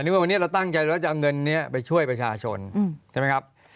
ว่าวันนี้เราตั้งใจว่าจะเอาเงินนี้ไปช่วยประชาชนใช่ไหมครับ